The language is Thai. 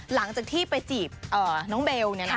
หลังจากที่ไปจีบน้องเบล